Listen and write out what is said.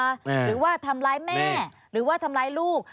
หรือว่าทำร้ายแม่หรือว่าทำร้ายลูก